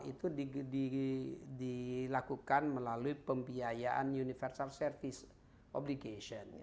itu dilakukan melalui pembiayaan universal service obligation